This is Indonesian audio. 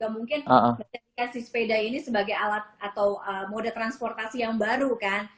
gak mungkin kita menjelaskan si sepeda ini sebagai alat atau mode transportasi yang baru kan